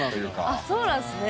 あそうなんすね。